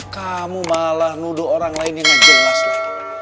kamu malah nuduh orang lain yang jelas lagi